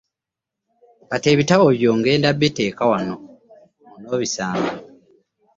Kati ebitabo byo ŋŋenda kubiteeka wano onoobisanga.